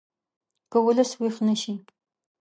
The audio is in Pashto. که ولس ویښ نه شي